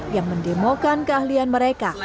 yang mendemokan keahlian mereka